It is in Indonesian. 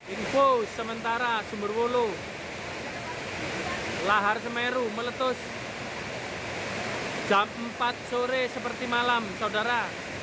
info sementara sumber walu lahar semeru meletus jam empat sore seperti malam saudara